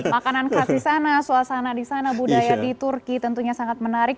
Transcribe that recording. makanan khas di sana suasana di sana budaya di turki tentunya sangat menarik